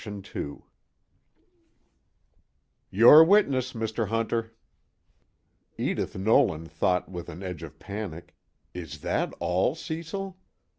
II "Your witness, Mr. Hunter." Edith Nolan thought with an edge of panic: _Is that all, Cecil?